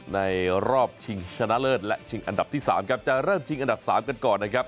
ในรอบชิงชนะเลิศและชิงอันดับที่๓ครับจะเริ่มชิงอันดับ๓กันก่อนนะครับ